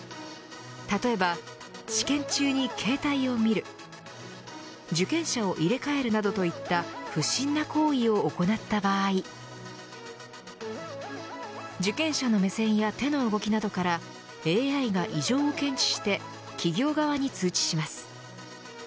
例えば、試験中に携帯を見る受験者を入れ替えるなどといった不審な行為を行った場合受験者の目線や手の動きなどからＡＩが異常を検知して企業側に通知します。